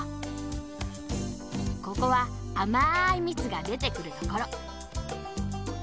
ここはあまいみつがでてくるところ。